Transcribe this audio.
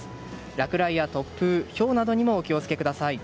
落雷や突風、ひょうなどにもお気を付けください。